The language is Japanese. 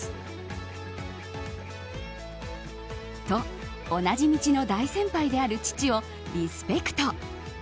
と、同じ道の大先輩である父をリスペクト。